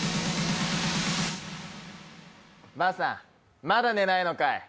ばあさん、まだ寝ないのかい。